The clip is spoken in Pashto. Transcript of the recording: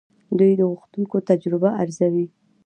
دوی د غوښتونکو تجربه ارزوي.